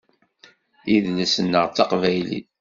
Idles-nneɣ d taqbaylit.